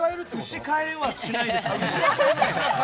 牛、買えはしないでしょ。